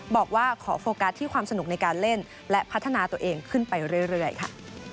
บอกว่าขอโฟกัสที่ความสนุกในการเล่นและพัฒนาตัวเองขึ้นไปเรื่อยค่ะ